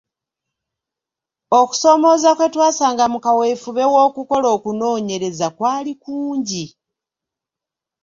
Okusoomooza kwe twasanga mu kaweefube w’okukola okunoonyereza kwali kungi.